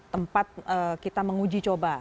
tempat kita menguji coba